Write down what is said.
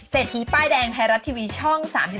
ทีป้ายแดงไทยรัฐทีวีช่อง๓๒